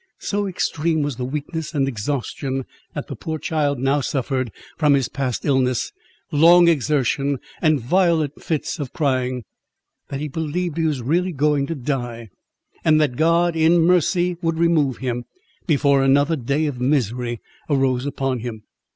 So extreme was the weakness and exhaustion that the poor child now suffered, from his past illness, long exertion, and violent fits of crying, that he believed he was really going to die; and that God in mercy would remove him, before another day of misery arose upon him.